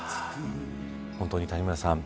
本当に谷村さん